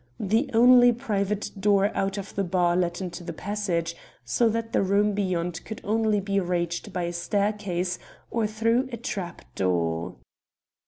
The only private door out of the bar led into the passage, so that the room beyond could only be reached by a staircase or through a trap door.